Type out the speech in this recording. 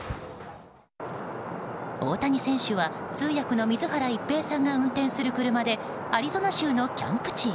大谷選手は通訳の水原一平さんが運転する車でアリゾナ州のキャンプ地へ。